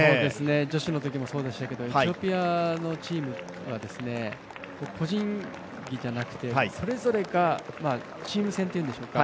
女子のときもそうでしたけどエチオピアのチームは個人技ではなくて、それぞれがチーム戦っていうんでしょうか。